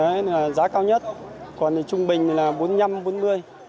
đấy là giá cao nhất còn thì trung bình là bốn mươi năm đến bốn mươi đồng